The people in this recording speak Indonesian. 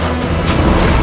aku akan menang